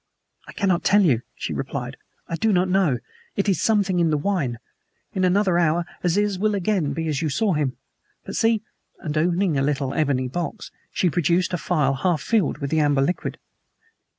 "I cannot tell you," she replied. "I do not know. It is something in the wine. In another hour Aziz will be again as you saw him. But see." And, opening a little ebony box, she produced a phial half filled with the amber liquid.